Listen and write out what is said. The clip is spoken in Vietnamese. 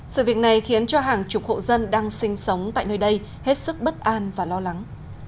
sự việc này khiến cho hàng chục hộ dân đang sinh sống tại nơi đây hết sức bất an và lo lắng